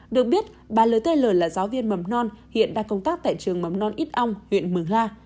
được biết bà lt là giáo viên mầm non hiện đang công tác tại trường mầm non ít âu huyện mường la